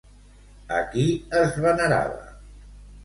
A qui es venerava?